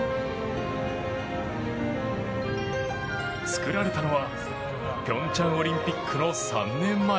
作られたのは平昌オリンピックの３年前。